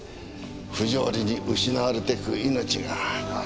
不条理に失われていく命がよ。